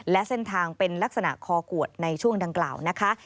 และเส้นทางเป็นลักษณะคอขวดในช่วงดังกล่าวนะคะ